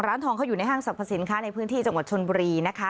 ร้านทองเขาอยู่ในห้างสรรพสินค้าในพื้นที่จังหวัดชนบุรีนะคะ